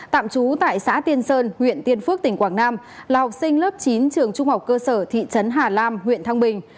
tạm trú tại xã tiên sơn huyện tiên phước tỉnh quảng nam là học sinh lớp chín trường trung học cơ sở thị trấn hà lam huyện thăng bình